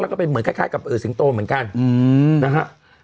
แล้วก็เป็นเหมือนคล้ายกับสิงโตเหมือนกันนะฮะ